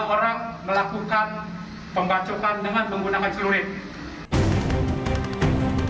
kekualisan sektor tarumajaya ini menyebabkan kegiatan kegiatan